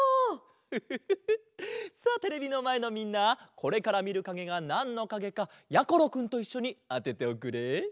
フフフフさあテレビのまえのみんなこれからみるかげがなんのかげかやころくんといっしょにあてておくれ。